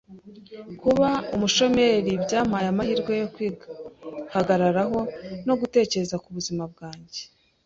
Kuba umushomeri byampaye amahirwe yo kwihagararaho no gutekereza ku buzima bwanjye.